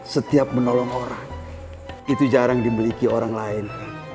setiap menolong orang itu jarang dibeliki orang lain